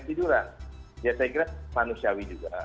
tiduran ya saya kira manusiawi juga